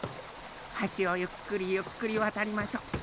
はしをゆっくりゆっくりわたりましょ。